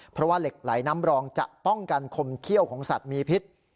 เพราะว่าเหล็กไหลน้ำรองจะป้องกันคมเขี้ยวของสัตว์มีพิษ